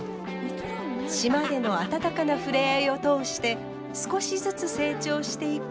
島での温かな触れ合いを通して少しずつ成長していく舞。